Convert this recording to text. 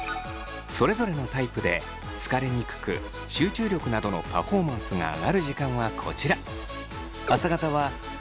それぞれのタイプで疲れにくく集中力などのパフォーマンスが上がる時間はこちら。